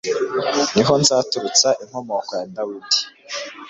Ni ho nzaturutsa inkomoko ya Dawudi